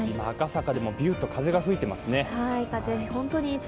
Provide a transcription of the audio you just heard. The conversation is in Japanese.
赤坂でもびゅっと風が吹いていますね。